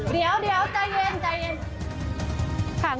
เดี๋ยวใจเย็น